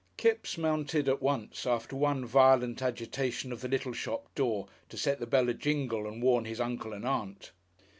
Kipps mounted at once, after one violent agitation of the little shop door to set the bell a jingle and warn his Uncle and Aunt.